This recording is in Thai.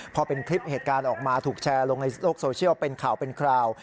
พอเป็นคลิปเหตุการณ์ออกมาถูกแชร์ลงในโลกโซเชียลเป็นข่าวเป็นคราว